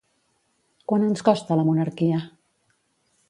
Quant ens costa la monarquia?